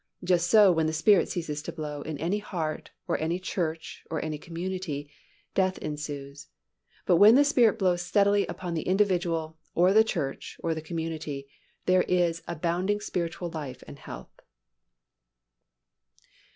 Just so when the Spirit ceases to blow in any heart or any church or any community, death ensues, but when the Spirit blows steadily upon the individual or the church or the community, there is abounding spiritual life and health.